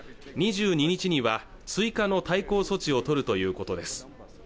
２２日には追加の対抗措置を取るということです